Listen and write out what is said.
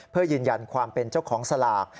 เพื่อยืนยันความเป็นเจ้าของสลาก